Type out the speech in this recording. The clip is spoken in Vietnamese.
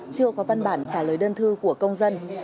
chưa có văn bản trả lời đơn thư của công dân